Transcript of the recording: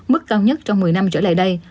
mức cao nhất trong một mươi năm trở lại đây